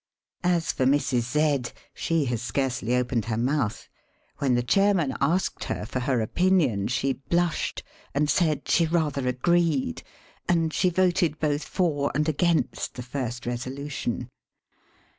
As for Mrs. Z she has scarcely opened her mouth ; when the Chairman asked her for her opinion she blushed and said she rather agreed, and she voted both for and against the first resolution.